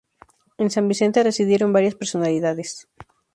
En San Vicente residieron varias personalidades.